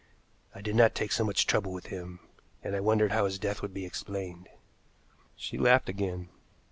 I did not take so much trouble with him, and I wondered how his death would be explained." She laughed again.